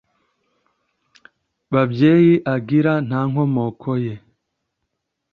babyeyi agira nta nkomoko ye